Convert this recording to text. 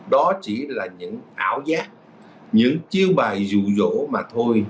đó chỉ là những ảo giác những chiêu bài dụ dỗ mà thôi